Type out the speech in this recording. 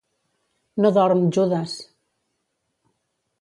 No dorm, Judes!